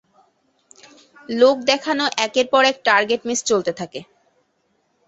লোক দেখানো একের পর এক টার্গেট মিস চলতে থাকে।